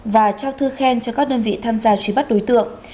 và trao thư khen cho các đơn vị tham gia truy bắt đối tượng